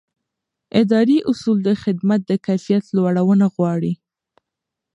اداري اصول د خدمت د کیفیت لوړونه غواړي.